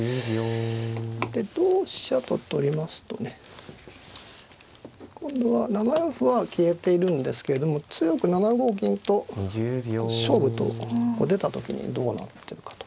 で同飛車と取りますとね今度は７四歩は消えているんですけれども強く７五金と勝負と出た時にどうなってるかと。